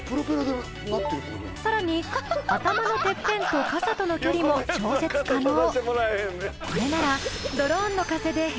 更に頭のてっぺんと傘との距離も調節可能。